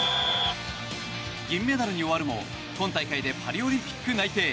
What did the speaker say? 銀メダルに終わるも今大会でパリオリンピック内定。